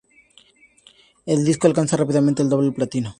El disco alcanzó rápidamente el doble platino.